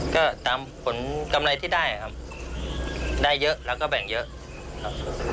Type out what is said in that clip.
ก็ตามผลกำไรที่ได้ครับได้เยอะแล้วก็แบ่งเยอะครับ